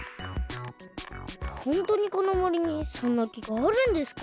ホントにこのもりにそんな木があるんですか？